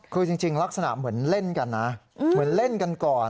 คือจริงลักษณะเหมือนเล่นกันนะเหมือนเล่นกันก่อน